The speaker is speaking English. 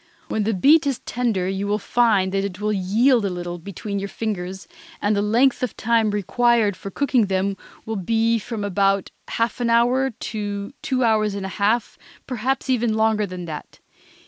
When the beet is tender you will find that it will yield a little, between your fingers, and the length of time required for cooking them will be from half an hour to two hours and a half, perhaps even longer than that.